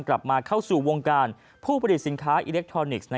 กลับมาเข้าสู่วงการผู้ผลิตสินค้าอิเล็กทรอนิกส์